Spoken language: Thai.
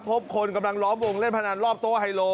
คนกำลังล้อมวงเล่นพนันรอบโต๊ะไฮโล